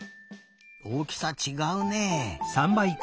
おおきさちがうね。